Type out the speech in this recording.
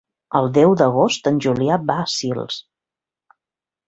El deu d'agost en Julià va a Sils.